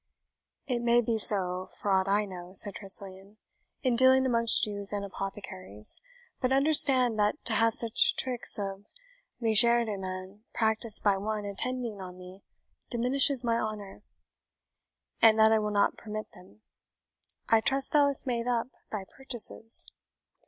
"It may be so, for aught I know," said Tressilian, "in dealing amongst Jews and apothecaries; but understand that to have such tricks of legerdemain practised by one attending on me diminishes my honour, and that I will not permit them. I trust thou hast made up thy purchases?"